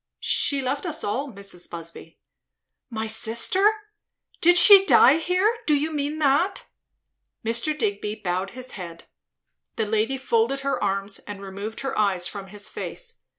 she left us all, Mrs. Busby." "My sister? Did she die here? Do you mean that?" Mr. Digby bowed his head. The lady folded her arms, and removed her eyes from his face.